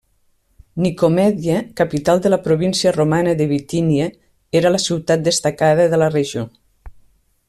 Nicomèdia, capital de la província romana de Bitínia, era una ciutat destacada de la regió.